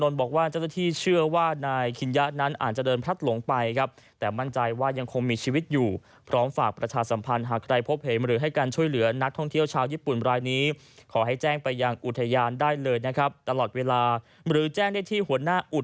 และเริ่มบริการค้นหาต่อไปแล้ว